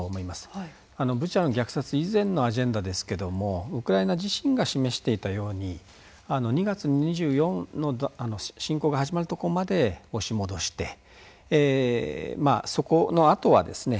ブチャの虐殺以前のアジェンダですけどもウクライナ自身が示していたように２月２４の侵攻が始まるとこまで押し戻してまあそこのあとはですね